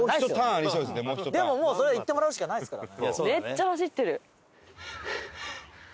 でももうそれは行ってもらうしかないですから。